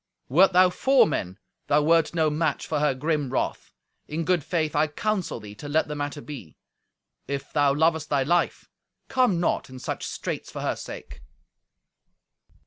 Wert thou four men, thou wert no match for her grim wrath. In good faith I counsel thee to let the matter be. If thou lovest thy life, come not in such straits for her sake."